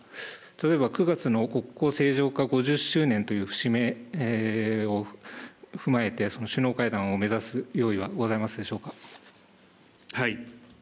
例えば９月の国交正常化５０周年という節目を踏まえて首脳会談を目指す用意はございますでしょう